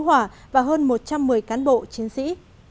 hỏa và hơn một trăm một mươi cán bộ chiến sĩ